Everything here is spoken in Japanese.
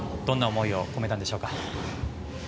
どんな思いを込めたんでしょうか。